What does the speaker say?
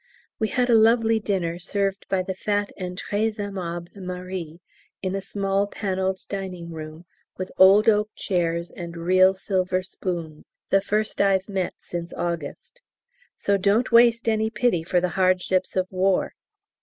We had a lovely dinner, served by the fat and très aimable Marie in a small, panelled dining room, with old oak chairs and real silver spoons (the first I've met since August). So don't waste any pity for the hardships of War!